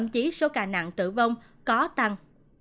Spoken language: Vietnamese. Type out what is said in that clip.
chí số ca nặng tử vong có tăng